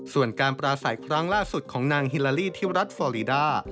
ส่วนการปราศัยครั้งล่าสุดของนางฮิลาลีที่รัฐฟอรีดา